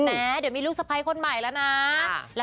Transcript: เอ่อเอาไม่ได้ถามเค้าก็อนุญาตไหม